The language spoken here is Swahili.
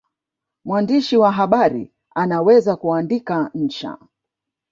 Mwandishi wa habari anaweza kuandika insha